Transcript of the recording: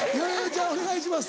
ちゃんお願いします。